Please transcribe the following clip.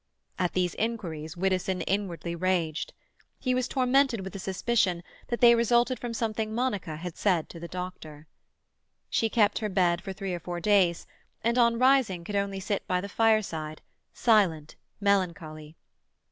At these inquiries Widdowson inwardly raged. He was tormented with a suspicion that they resulted from something Monica had said to the doctor. She kept her bed for three or four days, and on rising could only sit by the fireside, silent, melancholy.